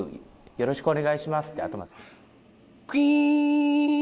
よろしくお願いします。